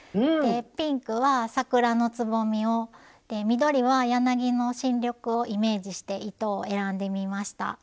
でピンクは桜のつぼみを緑は柳の新緑をイメージして糸を選んでみました。